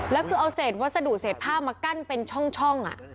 แล้วคือเอาเศษวัสดุเศษผ้ามากั้นเป็นช่อง